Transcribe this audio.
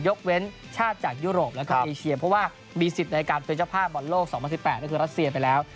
ยกเว้นชาติจากยุโรปแล้วก็เอเชียเพราะว่ามีสิทธิ์ในการเป็นเจ้าภาพบอลโลก๒๐๑๘ก็คือรัสเซียไปแล้ว